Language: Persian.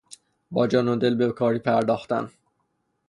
با جان و دل به کاری پرداختن